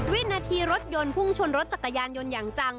วินาทีรถยนต์พุ่งชนรถจักรยานยนต์อย่างจัง